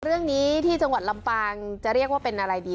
เรื่องนี้ที่จังหวัดลำปางจะเรียกว่าเป็นอะไรดี